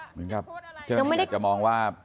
เหมือนกับเธอนี่จะมองว่า